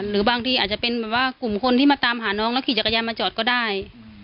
หรือบางทีอาจจะเป็นแบบว่ากลุ่มคนที่มาตามหาน้องแล้วขี่จักรยานมาจอดก็ได้